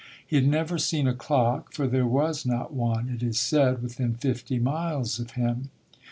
He had never seen a clock for there was not one, it is said, within fifty miles of him.